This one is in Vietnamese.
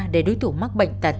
để đối thủ mắc bệnh tật